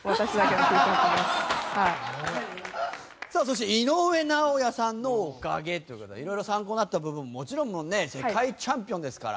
さあそして井上尚弥さんのおかげという事でいろいろ参考になった部分もちろんもうね世界チャンピオンですから。